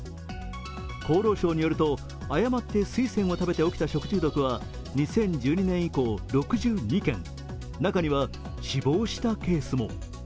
厚労省によると、誤ってスイセンを食べて起きた食中毒は２０１２年以降６２件、中には死亡したケースも。